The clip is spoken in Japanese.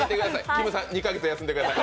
きむさん、２か月、休んでください。